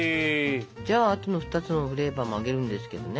じゃああとの２つのフレーバーも揚げるんですけどね。